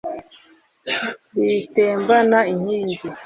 bitembana inkingi